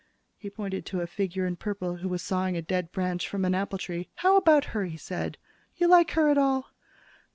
He pointed to a figure in purple who was sawing a dead branch from an apple tree. "How about her?" he said. "You like her at all?"